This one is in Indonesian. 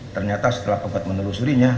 ternyata setelah penggugat menelusurinya